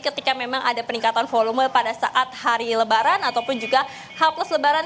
ketika memang ada peningkatan volume pada saat hari lebaran ataupun juga h plus lebaran